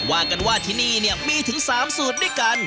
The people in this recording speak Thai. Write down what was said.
ว่ากันว่าที่นี่เนี่ยมีถึง๓สูตรด้วยกัน